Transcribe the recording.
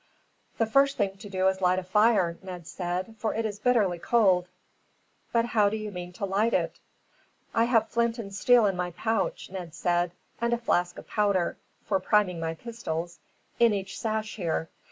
"The first thing to do is to light a fire," Ned said; "for it is bitterly cold." "But how do you mean to light it?" "I have flint and steel in my pouch," Ned said, "and a flask of powder, for priming my pistols, in my sash here.